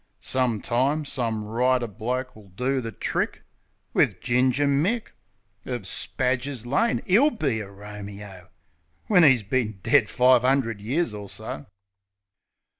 Some time, some writer bloke will do the trick Wiv Ginger Mick, Of Spadger's Lane. 'E'll be a Romeo, When 'e's bin dead five 'undred years or so.